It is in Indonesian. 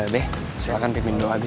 beh silahkan pepin doa beh